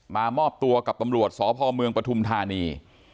มอบตัวกับตำรวจสพเมืองปฐุมธานี